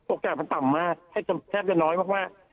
โอกาสมันต่ำมากแทบจะน้อยมาก